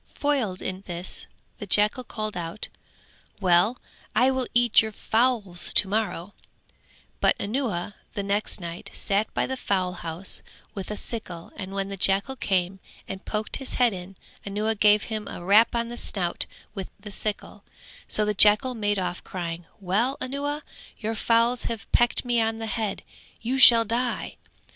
Foiled in this the jackal called out "Well, I will eat your fowls to morrow;" but Anuwa the next night sat by the fowl house with a sickle and when the jackal came and poked in his head, Anuwa gave him a rap on the snout with the sickle, so the jackal made off crying "Well, Anuwa, your fowls have pecked me on the head, you shall die."